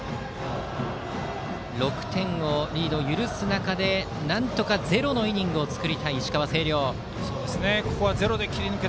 ６点リードを許す中でなんとかゼロのイニングを作りたい、石川・星稜。